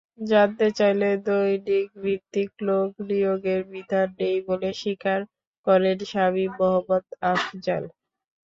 জানতে চাইলে দৈনিকভিত্তিক লোক নিয়োগের বিধান নেই বলে স্বীকার করেন সামীম মোহাম্মদ আফজাল।